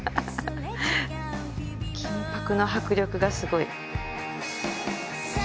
金箔の迫力がすごい。